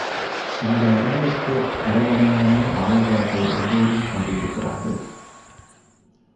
இந்த அரங்கத்து அரவணையானை ஆழ்வார்கள் எல்லோரும் பாடியிருக்கிறார்கள்.